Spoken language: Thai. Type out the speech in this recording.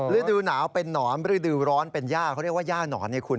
ฤดูหนาวเป็นนอนฤดูร้อนเป็นย่าเขาเรียกว่าย่านอนให้คุณ